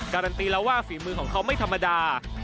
การันตีแล้วว่าฝีมือของเขาไม่ธรรมดา